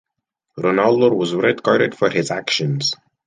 Ronaldo was red-carded for his actions.